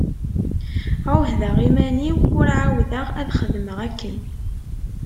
Ԑuhdeɣ iman-iw ur εawdeɣ ad xedmeɣ akken.